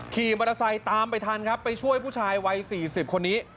ขี่มอเตอร์ไซค์ตามไปทันครับไปช่วยผู้ชายวัย๔๐คนนี้